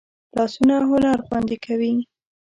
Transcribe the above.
لاسونه هنر خوندي کوي